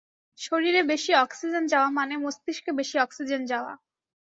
শরীরে বেশি অক্সিজেন যাওয়া মানে মস্তিষ্কে বেশি অক্সিজেন যাওয়া।